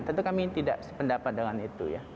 tentu kami tidak sependapat dengan itu ya